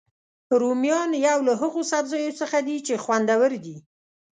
رومیان یو له هغوسبزیو څخه دي چې خوندور دي